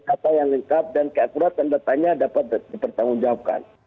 kata yang lengkap dan keakurat dan datanya dapat dipertanggungjawabkan